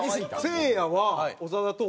せいやは長田とは？